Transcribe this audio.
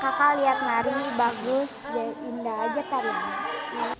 karena kakak lihat nari bagus dan indah aja tarinya